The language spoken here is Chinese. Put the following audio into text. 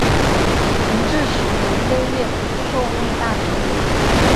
同治十年六月补授内大臣。